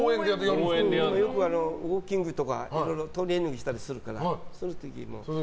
よくウォーキングとかいろいろトレーニングしたりするからその時に。